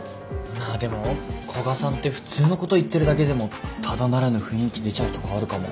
まあでも古賀さんって普通のこと言ってるだけでもただならぬ雰囲気出ちゃうとこあるかも。